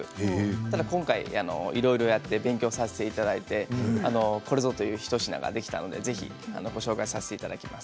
ただ今回いろいろやって勉強させていただいてこれぞという一品ができたのでご紹介させていただきます。